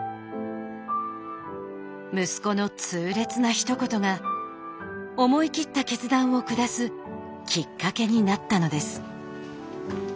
息子の痛烈なひと言が思い切った決断を下すきっかけになったのです。